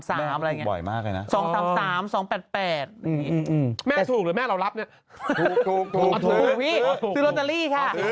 ๒๓๓อะไรอย่างนี้